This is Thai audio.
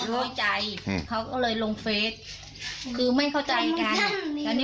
ร่วยใจเค้าก็เลยคือไม่เข้าใจได้